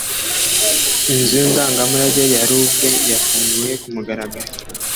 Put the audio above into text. Inzu ndangamurage ya Louvre yafunguwe ku mugaragaro